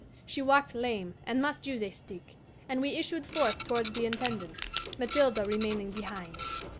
She walked lame, and must use a stick, and we issued forth towards the Intendance, Mathilde remaining behind.